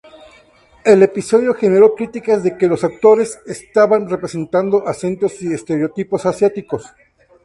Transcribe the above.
El episodio generó críticas de que los actores estaban representando acentos y estereotipos asiáticos.